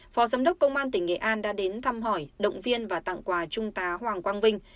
phó giám đốc công an tỉnh nghệ an đã đến thăm hỏi động viên và tặng quà trung tá hoàng quang vinh